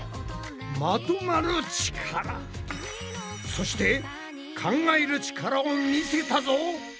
そして考える力をみせたぞ！